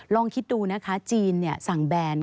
ลองคิดดูนะคะจีนสั่งแบน